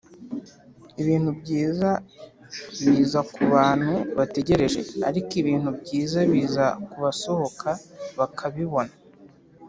"ibintu byiza biza kubantu bategereje, ariko ibintu byiza biza kubasohoka bakabibona."